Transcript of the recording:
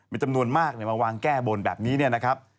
มีจำนวนมากมาวางแก้บนแบบนี้เนี่ยนะครับ